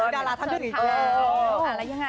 ดาราท่านเจ้าเจ้าเจริน